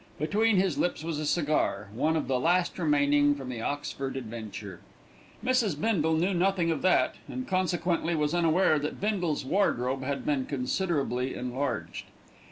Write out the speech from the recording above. Between his lips was a cigar, one of the last remaining from the Oxford adventure. Mrs. Bindle knew nothing of that, and consequently was unaware that Bindle's wardrobe had been considerably enlarged.